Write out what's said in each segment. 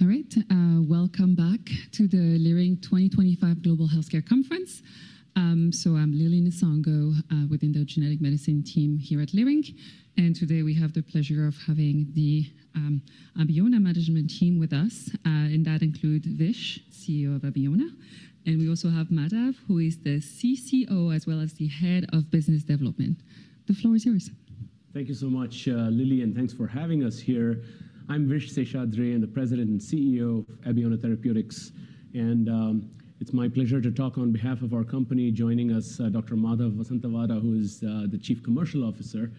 All right, welcome back to the Leerink 2025 Global Healthcare Conference. I am Lily Nsongo within the genetic medicine team here at Leerink, and today we have the pleasure of having the Abeona management team with us, and that includes Vish, CEO of Abeona, and we also have Madhav, who is the CCO as well as the Head of Business Development. The floor is yours. Thank you so much, Lily, and thanks for having us here. I'm Vish Seshadri, the President and CEO of Abeona Therapeutics, and it's my pleasure to talk on behalf of our company. Joining us is Dr. Madhav Vasanthavada, who is the Chief Commercial Officer.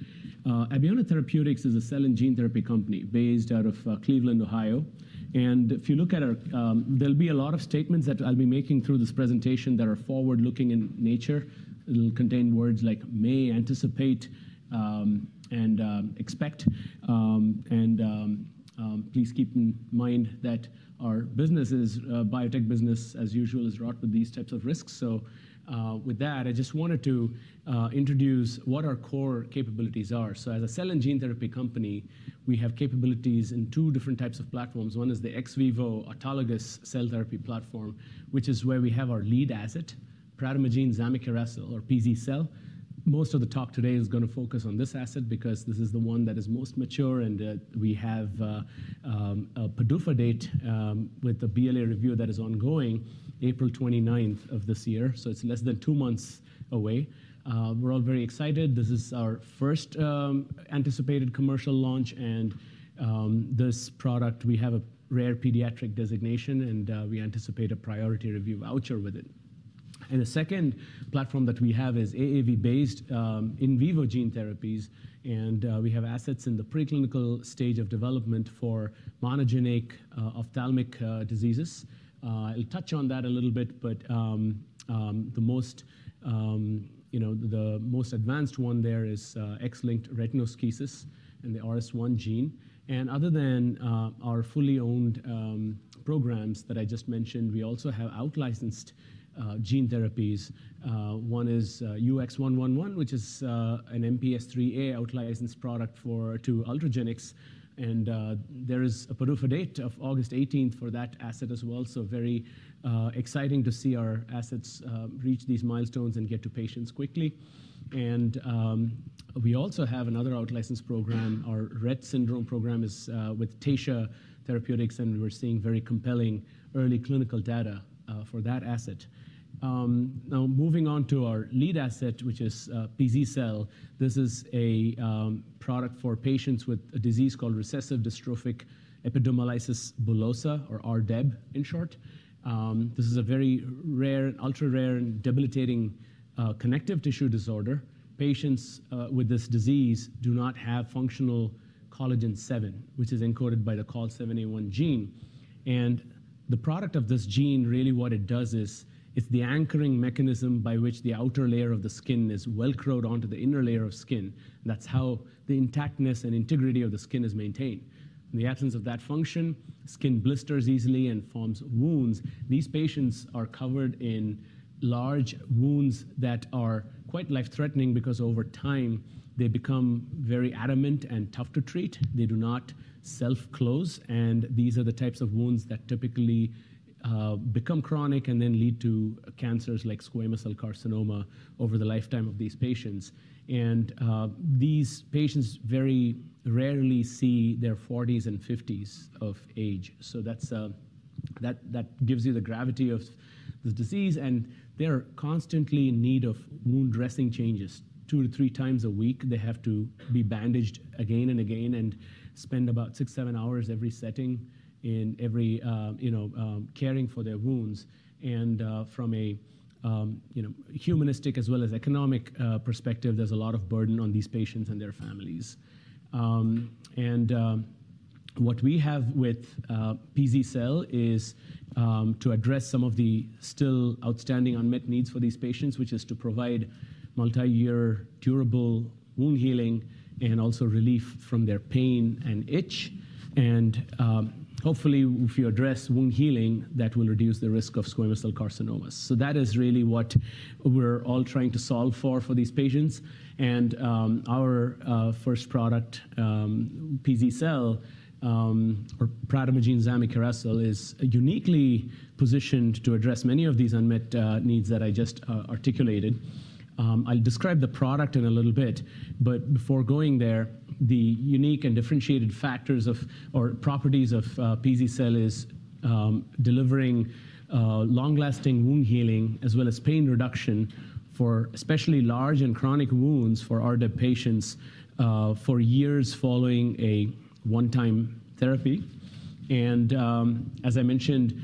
Abeona Therapeutics is a cell and gene therapy company based out of Cleveland, Ohio, and if you look at our—there will be a lot of statements that I'll be making through this presentation that are forward-looking in nature. It will contain words like "may anticipate" and "expect," and please keep in mind that our business is a biotech business, as usual, is wrought with these types of risks. I just wanted to introduce what our core capabilities are. As a cell and gene therapy company, we have capabilities in two different types of platforms. One is the ex-vivo autologous cell therapy platform, which is where we have our lead asset, prademagene zamikeracel, or pz-cel. Most of the talk today is going to focus on this asset because this is the one that is most mature, and we have a PDUFA date with a BLA review that is ongoing April 29th of this year, so it's less than two months away. We're all very excited. This is our first anticipated commercial launch, and this product—we have a rare pediatric designation, and we anticipate a priority review voucher with it. The second platform that we have is AAV-based in vivo gene therapies, and we have assets in the preclinical stage of development for monogenic ophthalmic diseases. I'll touch on that a little bit, but the most, you know, the most advanced one there is X-linked retinoschisis and the RS1 gene. Other than our fully owned programs that I just mentioned, we also have out-licensed gene therapies. One is UX111, which is an MPS IIIA out-licensed product for Ultragenyx, and there is a PDUFA date of August 18th for that asset as well. Very exciting to see our assets reach these milestones and get to patients quickly. We also have another out-licensed program, our Rett syndrome program with Taysha Gene Therapies, and we're seeing very compelling early clinical data for that asset. Now moving on to our lead asset, which is pz-cel, this is a product for patients with a disease called recessive dystrophic epidermolysis bullosa, or RDEB in short. This is a very rare, ultra-rare and debilitating connective tissue disorder. Patients with this disease do not have functional collagen seven, which is encoded by the COL7A1 gene, and the product of this gene, really what it does is it's the anchoring mechanism by which the outer layer of the skin is well-crowded onto the inner layer of skin. That's how the intactness and integrity of the skin is maintained. In the absence of that function, skin blisters easily and forms wounds. These patients are covered in large wounds that are quite life-threatening because over time they become very adamant and tough to treat. They do not self-close, and these are the types of wounds that typically become chronic and then lead to cancers like squamous cell carcinoma over the lifetime of these patients. These patients very rarely see their 40s and 50s of age, so that gives you the gravity of the disease, and they're constantly in need of wound dressing changes two to three times a week. They have to be bandaged again and again and spend about six, seven hours every setting in every, you know, caring for their wounds. From a, you know, humanistic as well as economic perspective, there's a lot of burden on these patients and their families. What we have with pz-cel is to address some of the still outstanding unmet needs for these patients, which is to provide multi-year durable wound healing and also relief from their pain and itch. Hopefully, if you address wound healing, that will reduce the risk of squamous cell carcinomas. That is really what we're all trying to solve for for these patients, and our first product, pz-cel, or prademagene zamikeracel, is uniquely positioned to address many of these unmet needs that I just articulated. I'll describe the product in a little bit, but before going there, the unique and differentiated factors of, or properties of, pz-cel is delivering long-lasting wound healing as well as pain reduction for especially large and chronic wounds for RDEB patients for years following a one-time therapy. As I mentioned,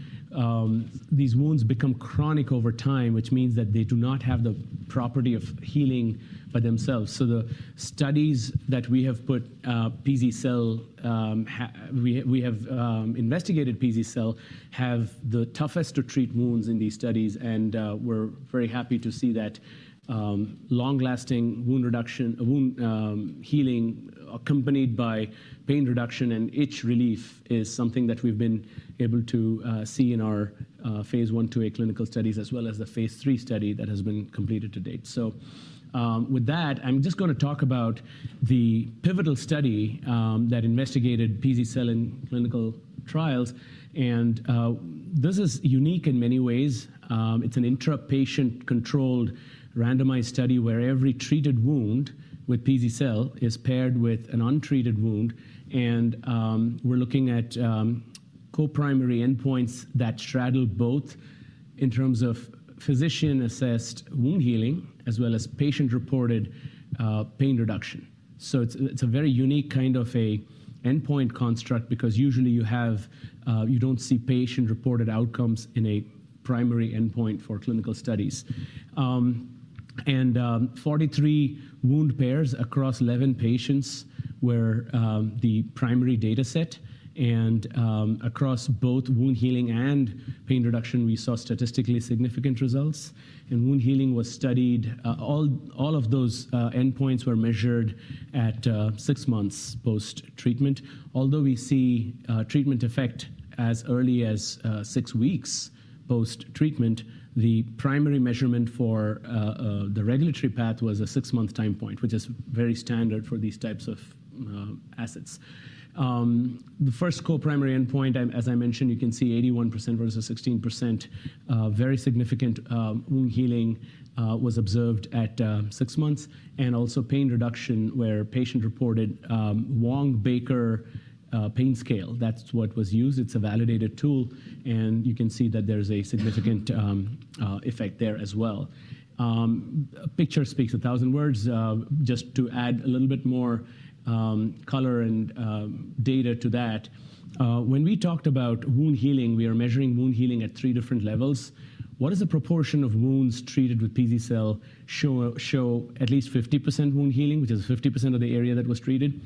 these wounds become chronic over time, which means that they do not have the property of healing by themselves. The studies that we have put pz-cel, we have investigated pz-cel, have the toughest to treat wounds in these studies, and we're very happy to see that long-lasting wound reduction, wound healing accompanied by pain reduction and itch relief is something that we've been able to see in our phase I/II clinical studies as well as the phase III study that has been completed to date. With that, I'm just going to talk about the pivotal study that investigated pz-cel in clinical trials, and this is unique in many ways. It's an intrapatient controlled randomized study where every treated wound with pz-cel is paired with an untreated wound, and we're looking at co-primary endpoints that straddle both in terms of physician-assessed wound healing as well as patient-reported pain reduction. It's a very unique kind of an endpoint construct because usually you have, you don't see patient-reported outcomes in a primary endpoint for clinical studies. Forty-three wound pairs across 11 patients were the primary data set, and across both wound healing and pain reduction, we saw statistically significant results, and wound healing was studied. All of those endpoints were measured at six months post-treatment. Although we see treatment effect as early as six weeks post-treatment, the primary measurement for the regulatory path was a six-month time point, which is very standard for these types of assets. The first co-primary endpoint, as I mentioned, you can see 81% versus 16%, very significant wound healing was observed at six months, and also pain reduction where patient-reported Wong-Baker pain scale, that's what was used. It's a validated tool, and you can see that there's a significant effect there as well. A picture speaks a thousand words. Just to add a little bit more color and data to that, when we talked about wound healing, we are measuring wound healing at three different levels. What is the proportion of wounds treated with pz-cel show at least 50% wound healing, which is 50% of the area that was treated,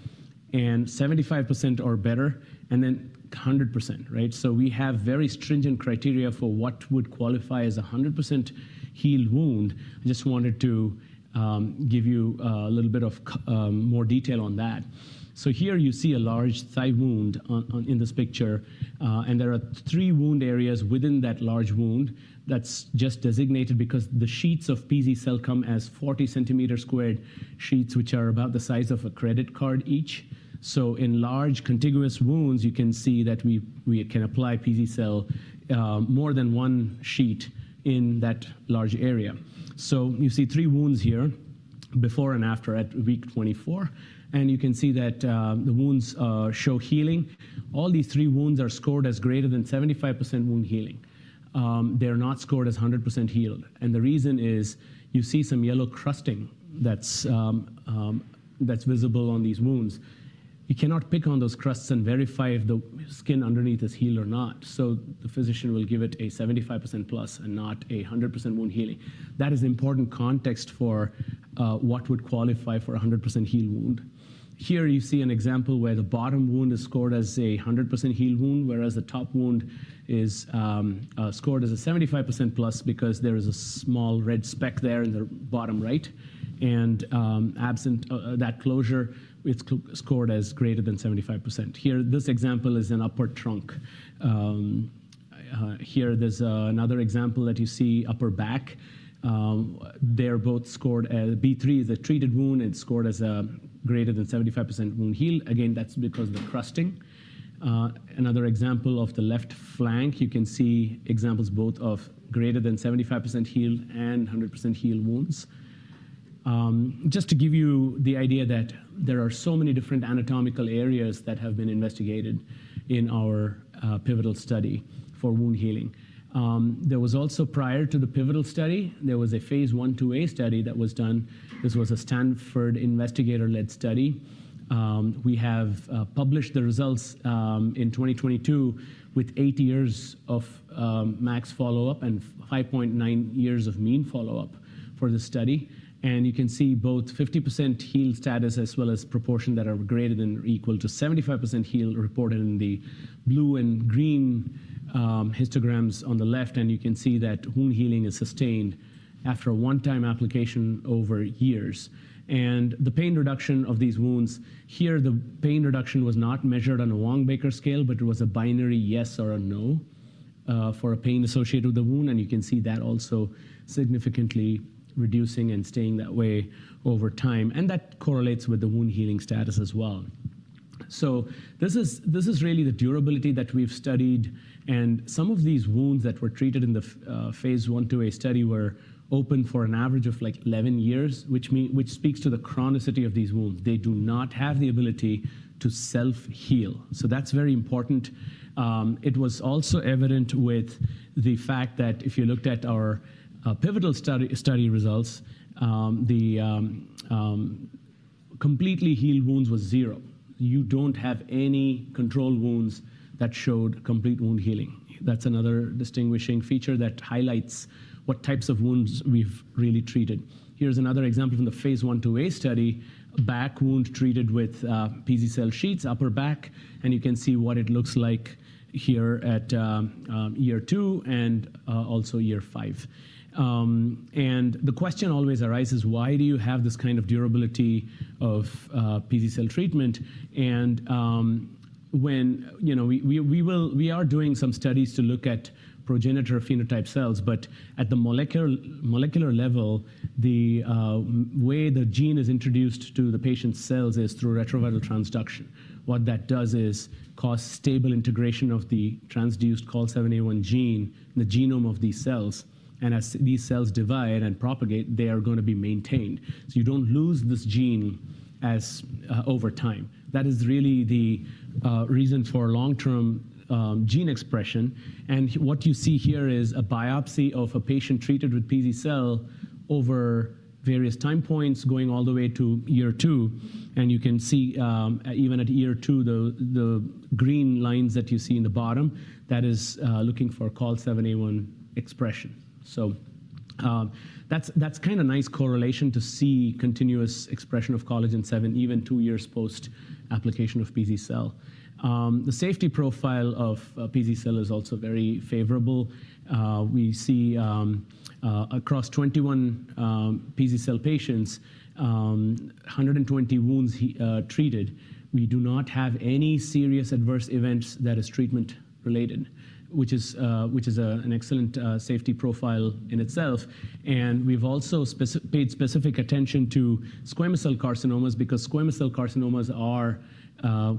and 75% or better, and then 100%, right? We have very stringent criteria for what would qualify as a 100% healed wound. I just wanted to give you a little bit of more detail on that. Here you see a large thigh wound in this picture, and there are three wound areas within that large wound that is just designated because the sheets of pz-cel come as 40 centimeter squared sheets, which are about the size of a credit card each. In large contiguous wounds, you can see that we can apply pz-cel more than one sheet in that large area. You see three wounds here before and after at week 24, and you can see that the wounds show healing. All these three wounds are scored as greater than 75% wound healing. They're not scored as 100% healed, and the reason is you see some yellow crusting that's visible on these wounds. You cannot pick on those crusts and verify if the skin underneath is healed or not, so the physician will give it a 75% plus and not a 100% wound healing. That is important context for what would qualify for a 100% healed wound. Here you see an example where the bottom wound is scored as a 100% healed wound, whereas the top wound is scored as a 75% plus because there is a small red speck there in the bottom right, and absent that closure, it's scored as greater than 75%. Here, this example is an upper trunk. Here there's another example that you see, upper back. They're both scored as B3 is a treated wound, it's scored as a greater than 75% wound healed. Again, that's because of the crusting. Another example of the left flank, you can see examples both of greater than 75% healed and 100% healed wounds. Just to give you the idea that there are so many different anatomical areas that have been investigated in our pivotal study for wound healing. There was also, prior to the pivotal study, there was a phase I/II study that was done. This was a Stanford investigator-led study. We have published the results in 2022 with eight years of max follow-up and 5.9 years of mean follow-up for the study, and you can see both 50% healed status as well as proportion that are greater than or equal to 75% healed reported in the blue and green histograms on the left, and you can see that wound healing is sustained after a one-time application over years. The pain reduction of these wounds, here the pain reduction was not measured on a Wong-Baker pain scale, but it was a binary yes or a no for pain associated with the wound, and you can see that also significantly reducing and staying that way over time, and that correlates with the wound healing status as well. This is really the durability that we've studied, and some of these wounds that were treated in the phase I to II study were open for an average of like 11 years, which speaks to the chronicity of these wounds. They do not have the ability to self-heal, so that's very important. It was also evident with the fact that if you looked at our pivotal study results, the completely healed wounds were zero. You don't have any control wounds that showed complete wound healing. That's another distinguishing feature that highlights what types of wounds we've really treated. Here's another example from the phase I/IIa study, back wound treated with pz-cel sheets, upper back, and you can see what it looks like here at year two and also year five. The question always arises, why do you have this kind of durability of pz-cel treatment? When, you know, we are doing some studies to look at progenitor phenotype cells, but at the molecular level, the way the gene is introduced to the patient's cells is through retroviral transduction. What that does is cause stable integration of the transduced COL7A1 gene in the genome of these cells, and as these cells divide and propagate, they are going to be maintained. You don't lose this gene over time. That is really the reason for long-term gene expression, and what you see here is a biopsy of a patient treated with pz-cel over various time points going all the way to year two, and you can see even at year two, the green lines that you see in the bottom, that is looking for COL7A1 expression. So that's kind of nice correlation to see continuous expression of collagen seven even two years post-application of pz-cel. The safety profile of pz-cel is also very favorable. We see across 21 pz-cel patients, 120 wounds treated. We do not have any serious adverse events that are treatment-related, which is an excellent safety profile in itself, and we've also paid specific attention to squamous cell carcinomas because squamous cell carcinomas are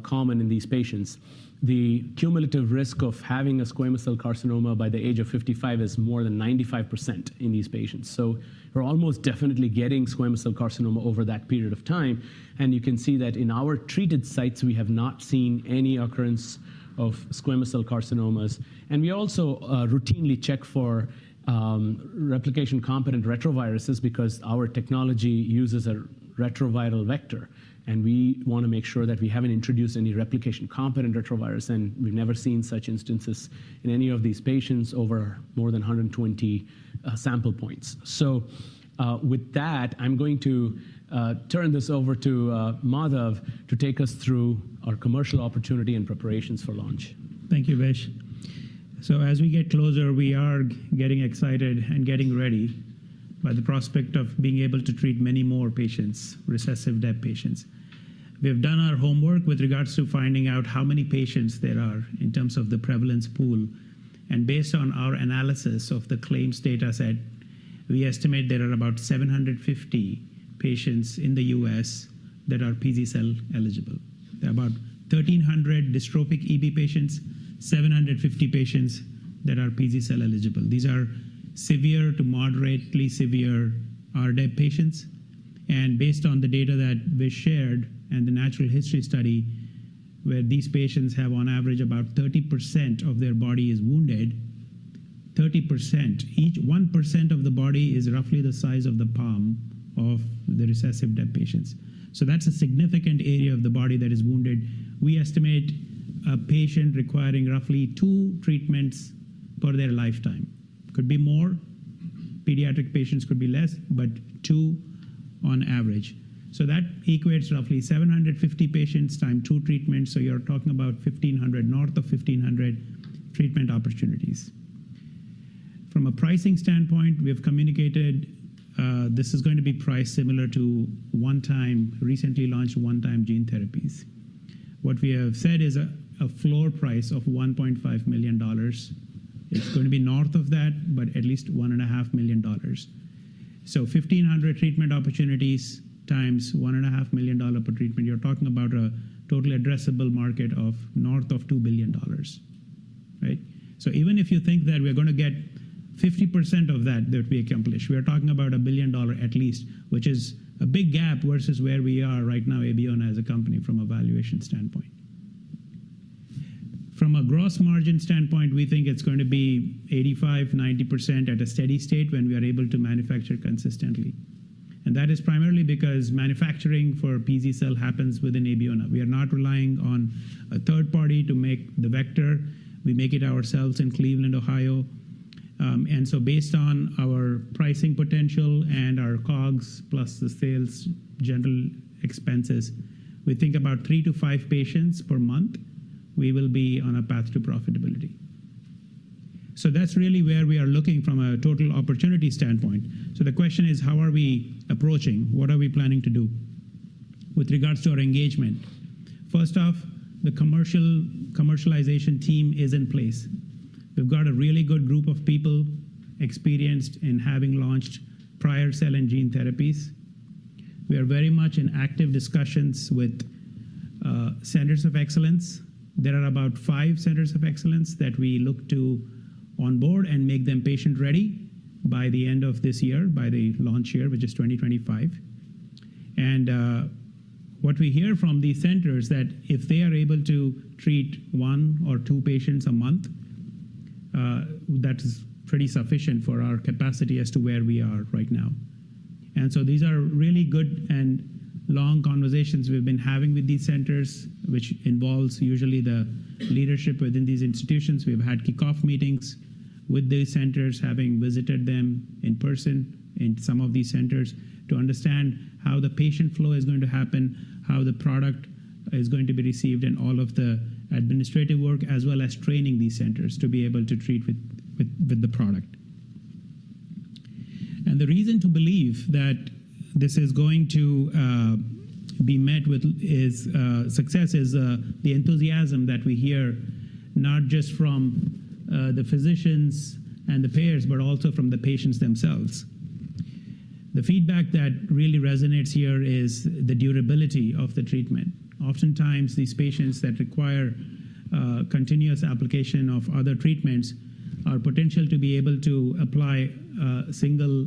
common in these patients. The cumulative risk of having a squamous cell carcinoma by the age of 55 is more than 95% in these patients, so we're almost definitely getting squamous cell carcinoma over that period of time, and you can see that in our treated sites, we have not seen any occurrence of squamous cell carcinomas. We also routinely check for replication-competent retroviruses because our technology uses a retroviral vector, and we want to make sure that we haven't introduced any replication-competent retrovirus, and we've never seen such instances in any of these patients over more than 120 sample points. With that, I'm going to turn this over to Madhav to take us through our commercial opportunity and preparations for launch. Thank you, Vish. As we get closer, we are getting excited and getting ready by the prospect of being able to treat many more patients, recessive dead patients. We have done our homework with regards to finding out how many patients there are in terms of the prevalence pool, and based on our analysis of the claims data set, we estimate there are about 750 patients in the U.S. that are pz-cel eligible. There are about 1,300 dystrophic EB patients, 750 patients that are pz-cel eligible. These are severe to moderately severe RDEB patients, and based on the data that we shared and the natural history study where these patients have on average about 30% of their body is wounded, 30%, each 1% of the body is roughly the size of the palm of the recessive dead patients. That is a significant area of the body that is wounded. We estimate a patient requiring roughly two treatments per their lifetime. Could be more, pediatric patients could be less, but two on average. That equates roughly 750 patients times two treatments, so you're talking about 1,500, north of 1,500 treatment opportunities. From a pricing standpoint, we have communicated this is going to be priced similar to one-time, recently launched one-time gene therapies. What we have said is a floor price of $1.5 million. It's going to be north of that, but at least $1.5 million. So 1,500 treatment opportunities times $1.5 million per treatment, you're talking about a totally addressable market of north of $2 billion, right? Even if you think that we're going to get 50% of that, that would be accomplished. We are talking about a billion dollar at least, which is a big gap versus where we are right now, Abeona, as a company from a valuation standpoint. From a gross margin standpoint, we think it's going to be 85%-90% at a steady state when we are able to manufacture consistently, and that is primarily because manufacturing for pz-cel happens within Abeona. We are not relying on a third party to make the vector. We make it ourselves in Cleveland, Ohio, and so based on our pricing potential and our COGS plus the sales general expenses, we think about three to five patients per month, we will be on a path to profitability. That is really where we are looking from a total opportunity standpoint. The question is, how are we approaching? What are we planning to do with regards to our engagement? First off, the commercialization team is in place. We've got a really good group of people experienced in having launched prior cell and gene therapies. We are very much in active discussions with centers of excellence. There are about five centers of excellence that we look to onboard and make them patient-ready by the end of this year, by the launch year, which is 2025. What we hear from these centers is that if they are able to treat one or two patients a month, that is pretty sufficient for our capacity as to where we are right now. These are really good and long conversations we've been having with these centers, which involves usually the leadership within these institutions. have had kickoff meetings with these centers, having visited them in person in some of these centers to understand how the patient flow is going to happen, how the product is going to be received, and all of the administrative work, as well as training these centers to be able to treat with the product. The reason to believe that this is going to be met with success is the enthusiasm that we hear not just from the physicians and the payers, but also from the patients themselves. The feedback that really resonates here is the durability of the treatment. Oftentimes, these patients that require continuous application of other treatments are potential to be able to apply a single,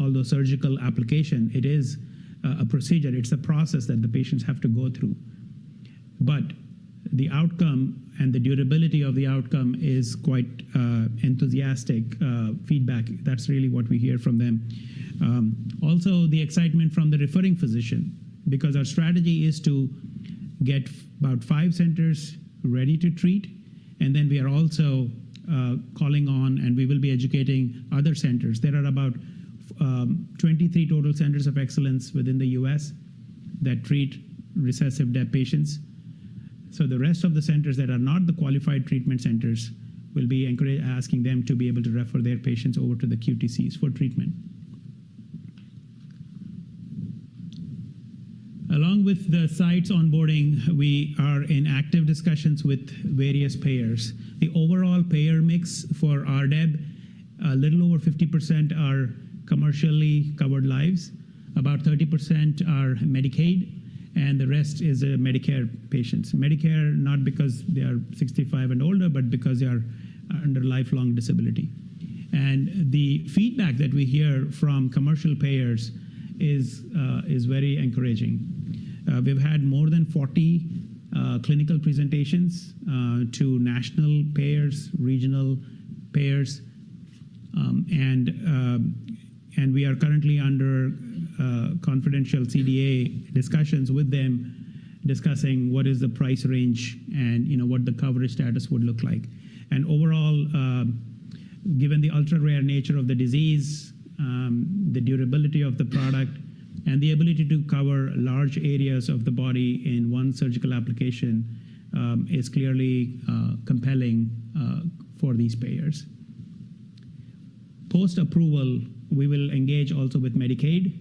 although surgical application. It is a procedure. It is a process that the patients have to go through, but the outcome and the durability of the outcome is quite enthusiastic feedback. That's really what we hear from them. Also, the excitement from the referring physician because our strategy is to get about five centers ready to treat, and then we are also calling on and we will be educating other centers. There are about 23 total centers of excellence within the U.S. that treat recessive DEB patients, so the rest of the centers that are not the qualified treatment centers will be asking them to be able to refer their patients over to the QTCs for treatment. Along with the sites onboarding, we are in active discussions with various payers. The overall payer mix for RDEB, a little over 50% are commercially covered lives, about 30% are Medicaid, and the rest is Medicare patients. Medicare, not because they are 65 and older, but because they are under lifelong disability. The feedback that we hear from commercial payers is very encouraging. We've had more than 40 clinical presentations to national payers, regional payers, and we are currently under confidential CDA discussions with them discussing what is the price range and what the coverage status would look like. Overall, given the ultra-rare nature of the disease, the durability of the product, and the ability to cover large areas of the body in one surgical application, it's clearly compelling for these payers. Post-approval, we will engage also with Medicaid.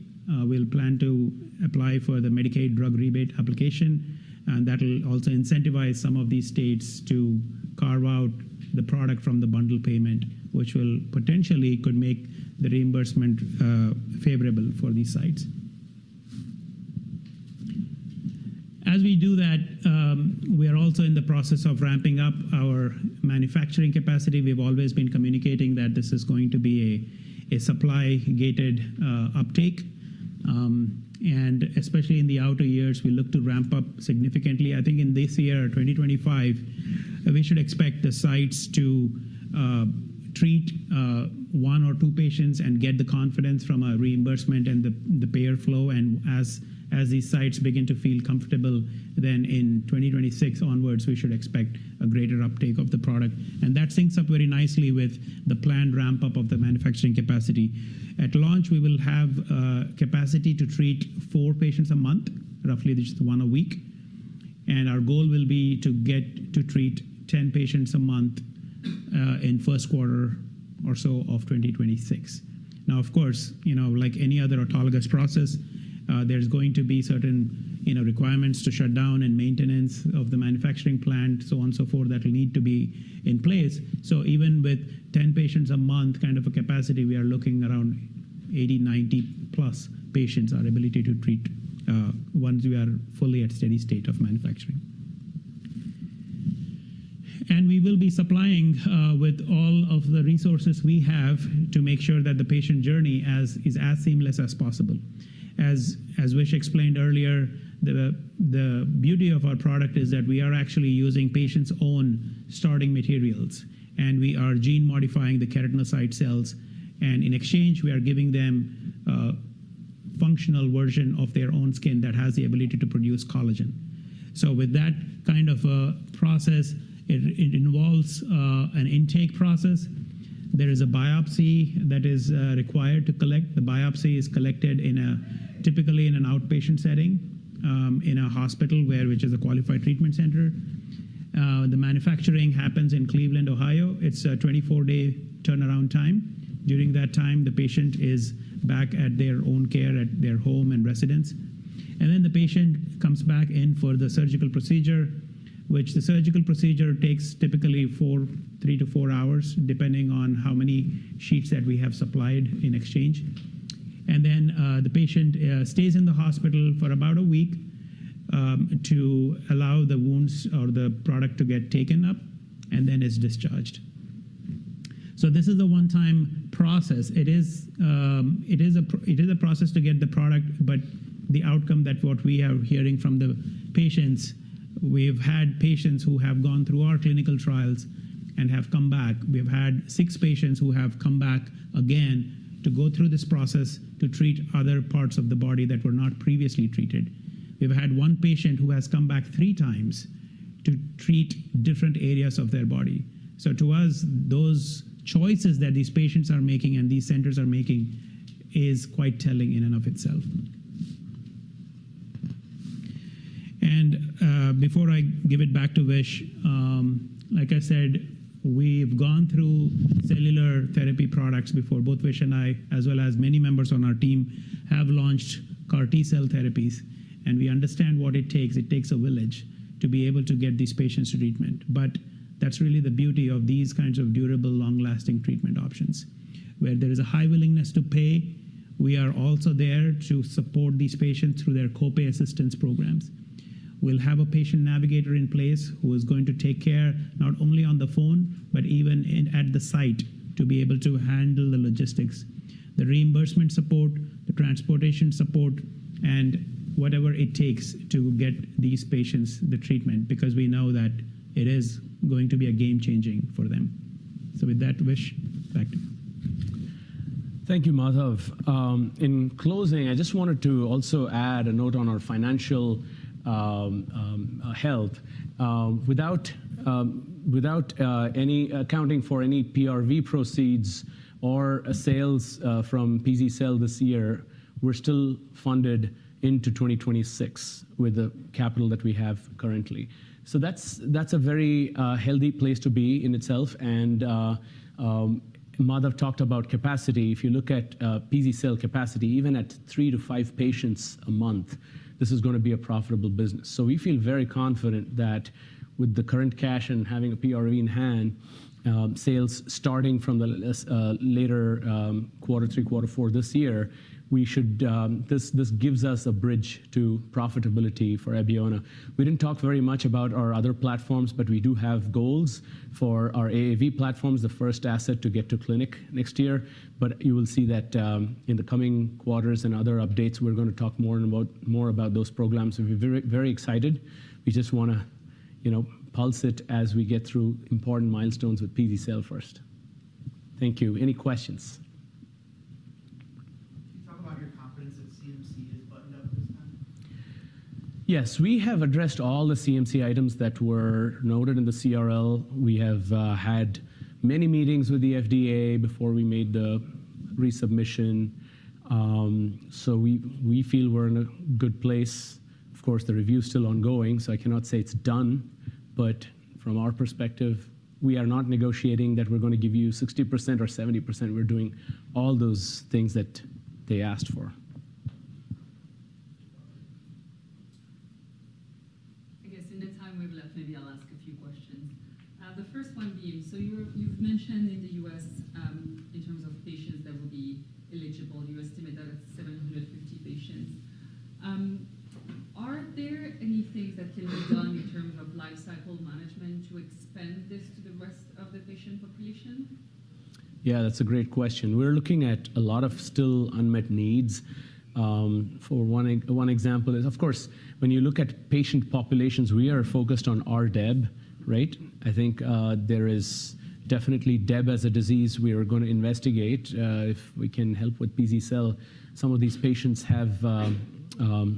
We'll plan to apply for the Medicaid drug rebate application, and that'll also incentivize some of these states to carve out the product from the bundle payment, which will potentially make the reimbursement favorable for these sites. As we do that, we are also in the process of ramping up our manufacturing capacity. We've always been communicating that this is going to be a supply-gated uptake, and especially in the outer years, we look to ramp up significantly. I think in this year, 2025, we should expect the sites to treat one or two patients and get the confidence from a reimbursement and the payer flow, and as these sites begin to feel comfortable, then in 2026 onwards, we should expect a greater uptake of the product, and that syncs up very nicely with the planned ramp-up of the manufacturing capacity. At launch, we will have capacity to treat four patients a month, roughly just one a week, and our goal will be to get to treat 10 patients a month in first quarter or so of 2026. Now, of course, like any other autologous process, there's going to be certain requirements to shut down and maintenance of the manufacturing plant, so on and so forth that will need to be in place. Even with 10 patients a month, kind of a capacity, we are looking around 80-90 plus patients our ability to treat once we are fully at steady state of manufacturing. We will be supplying with all of the resources we have to make sure that the patient journey is as seamless as possible. As Vish explained earlier, the beauty of our product is that we are actually using patients' own starting materials, and we are gene-modifying the keratinocyte cells, and in exchange, we are giving them a functional version of their own skin that has the ability to produce collagen. With that kind of process, it involves an intake process. There is a biopsy that is required to collect. The biopsy is collected typically in an outpatient setting in a hospital which is a qualified treatment center. The manufacturing happens in Cleveland, Ohio. It's a 24-day turnaround time. During that time, the patient is back at their own care at their home and residence, and the patient comes back in for the surgical procedure, which the surgical procedure takes typically three to four hours, depending on how many sheets that we have supplied in exchange. The patient stays in the hospital for about a week to allow the wounds or the product to get taken up, and then is discharged. This is the one-time process. It is a process to get the product, but the outcome that what we are hearing from the patients, we've had patients who have gone through our clinical trials and have come back. We've had six patients who have come back again to go through this process to treat other parts of the body that were not previously treated. We've had one patient who has come back three times to treat different areas of their body. To us, those choices that these patients are making and these centers are making is quite telling in and of itself. Before I give it back to Vish, like I said, we've gone through cellular therapy products before. Both Vish and I, as well as many members on our team, have launched CAR T-cell therapies, and we understand what it takes. It takes a village to be able to get these patients to treatment, but that's really the beauty of these kinds of durable, long-lasting treatment options where there is a high willingness to pay. We are also there to support these patients through their copay assistance programs. We'll have a patient navigator in place who is going to take care not only on the phone, but even at the site to be able to handle the logistics, the reimbursement support, the transportation support, and whatever it takes to get these patients the treatment because we know that it is going to be game-changing for them. With that, Vish, back to you. Thank you, Madhav. In closing, I just wanted to also add a note on our financial health. Without accounting for any PRV proceeds or sales from pz-cel this year, we're still funded into 2026 with the capital that we have currently. That is a very healthy place to be in itself, and Madhav talked about capacity. If you look at pz-cel capacity, even at three to five patients a month, this is going to be a profitable business. We feel very confident that with the current cash and having a PRV in hand, sales starting from the later quarter three, quarter four this year, this gives us a bridge to profitability for Abeona. We did not talk very much about our other platforms, but we do have goals for our AAV platforms, the first asset to get to clinic next year, but you will see that in the coming quarters and other updates, we are going to talk more about those programs. We are very excited. We just want to pulse it as we get through important milestones with pz-cel first. Thank you. Any questions? Can you talk about your confidence that CMC is buttoned up this time? Yes. We have addressed all the CMC items that were noted in the CRL. We have had many meetings with the FDA before we made the resubmission, so we feel we're in a good place. Of course, the review is still ongoing, so I cannot say it's done, but from our perspective, we are not negotiating that we're going to give you 60% or 70%. We're doing all those things that they asked for. I guess in the time we have left, maybe I'll ask a few questions. The first one being, you mentioned in the U.S., in terms of patients that will be eligible, you estimate that it's 750 patients. Are there any things that can be done in terms of life cycle management to expand this to the rest of the patient population? Yeah, that's a great question. We're looking at a lot of still unmet needs. For one example, of course, when you look at patient populations, we are focused on RDEB, right? I think there is definitely DEB as a disease we are going to investigate if we can help with pz-cel. Some of these patients have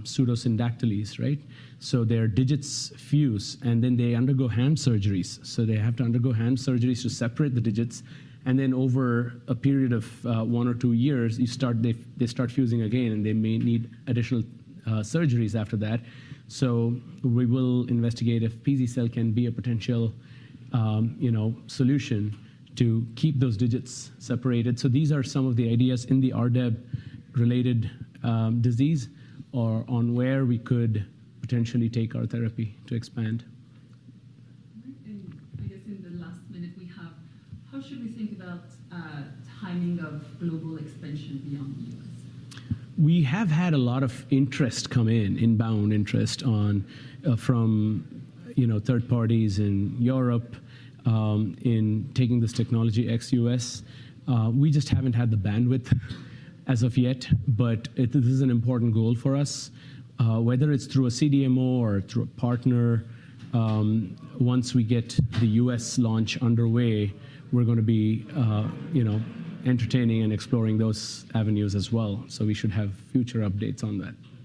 pseudosyndactyles, right? So their digits fuse, and then they undergo hand surgeries. They have to undergo hand surgeries to separate the digits, and then over a period of one or two years, they start fusing again, and they may need additional surgeries after that. We will investigate if pz-cel can be a potential solution to keep those digits separated. These are some of the ideas in the RDEB-related disease or on where we could potentially take our therapy to expand. I guess in the last minute we have, how should we think about timing of global expansion beyond the U.S.? We have had a lot of interest come in, inbound interest from third parties in Europe in taking this technology ex-U.S. We just have not had the bandwidth as of yet, but this is an important goal for us. Whether it is through a CDMO or through a partner, once we get the U.S. launch underway, we are going to be entertaining and exploring those avenues as well, so we should have future updates on that.